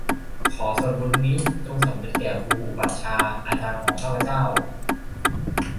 ขอส่วนบุญนี้จงสำเร็จแก่ครูอุปัชฌาย์อาจารย์ของข้าพเจ้า